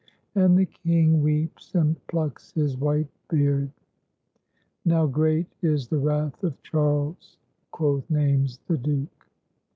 And the king weeps and plucks his white beard. ''Now great is the wrath of Charles," quoth Naymes the Duke.